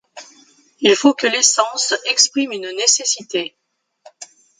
Il faut que l'essence exprime une nécessité-.